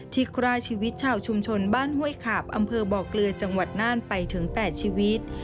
ฆ่าชีวิตชาวชุมชนบ้านห้วยขาบอำเภอบ่อเกลือจังหวัดน่านไปถึง๘ชีวิต